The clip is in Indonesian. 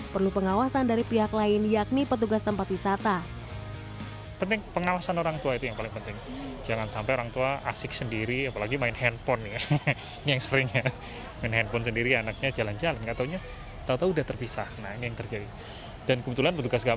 perlu pengawasan dari pihak lain yakni petugas tempat wisata